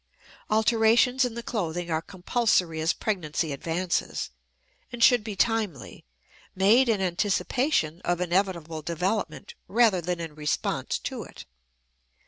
Alterations in the clothing are compulsory as pregnancy advances, and should be timely, made in anticipation of inevitable development rather than in response to it.